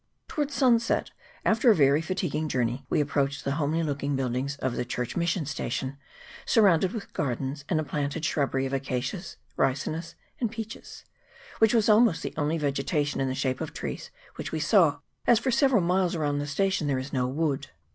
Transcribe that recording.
Towards sunset, after a very fatiguing journey, we approached the homely looking build ings of the Church mission station, surrounded with gardens, and a planted shrubbery of acacias, ricinus, and peaches, which was almost the only vegetation in the shape of trees which we saw, as for several miles around the station there is no wood.